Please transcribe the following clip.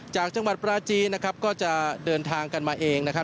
จากจังหวัดปราจีนนะครับก็จะเดินทางกันมาเองนะครับ